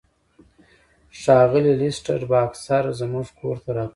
ښاغلی لیسټرډ به اکثر زموږ کور ته راتلو.